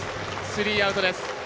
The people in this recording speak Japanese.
スリーアウトです。